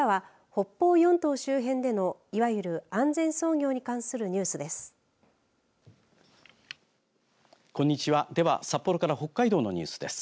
札幌からは、北方四島周辺でのいわゆる、安全操業に関するニュースです。